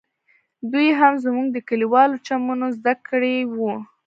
دوى هم زموږ د کليوالو چمونه زده کړي وو.